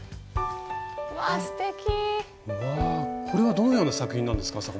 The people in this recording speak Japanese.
これはどのような作品なんですか？